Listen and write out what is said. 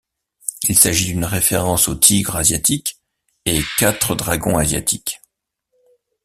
Il s'agit d'une référence aux Tigres asiatiques et Quatre dragons asiatiques.